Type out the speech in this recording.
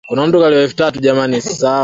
na kuna kipi cha kujifunza kutokana na